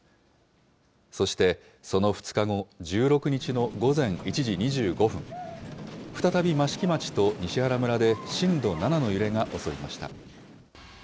そしてその２日後、１６日の午前１時２５分、再び益城町と西原村で震度７の揺れが襲いました。